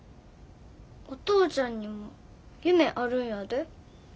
お父ちゃんにも夢あるんやで。